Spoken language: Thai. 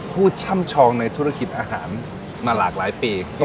ช่ำชองในธุรกิจอาหารมาหลากหลายปี